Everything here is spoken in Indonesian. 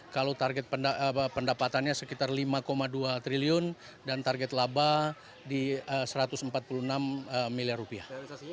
kalau target pendapatannya sekitar lima dua triliun dan target laba di satu ratus empat puluh enam miliar rupiah